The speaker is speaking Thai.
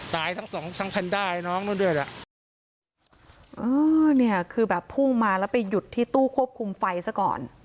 ทั้งสองทั้งแพนด้ายน้องนู่นด้วยน่ะเออเนี่ยคือแบบพุ่งมาแล้วไปหยุดที่ตู้ควบคุมไฟซะก่อน